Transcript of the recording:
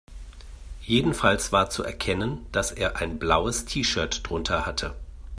Jedenfalls war zu erkennen, dass er ein blaues T-Shirt drunter hatte.